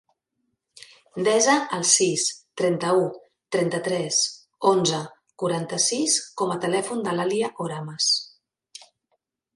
Desa el sis, trenta-u, trenta-tres, onze, quaranta-sis com a telèfon de l'Alia Oramas.